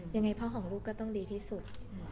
ยังไงพ่อของลูกก็ต้องดีที่สุด